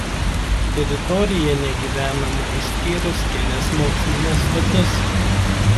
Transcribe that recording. Teritorija negyvenama išskyrus kelias mokslines stotis.